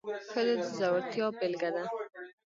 ښځه د زړورتیا بیلګه ده.